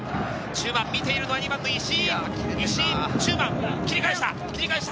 見ているのは２番の石井。